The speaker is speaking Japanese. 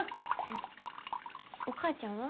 お母ちゃんは？